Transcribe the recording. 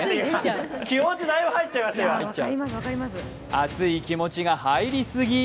熱い気持ちが入り過ぎ。